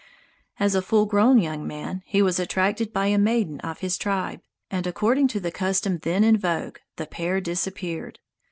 As a full grown young man, he was attracted by a maiden of his tribe, and according to the custom then in vogue the pair disappeared.